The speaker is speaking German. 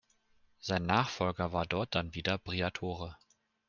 Sein Nachfolger war dort dann wieder Briatore.